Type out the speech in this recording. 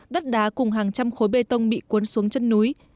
đất đá cùng hàng trăm khối bê tông bị cuốn xuống chân núi